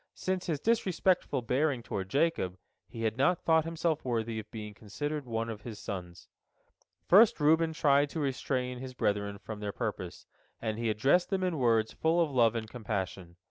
Since his disrespectful bearing toward Jacob, he had not thought himself worthy of being considered one of his sons. First Reuben tried to restrain his brethren from their purpose, and he addressed them in words full of love and compassion.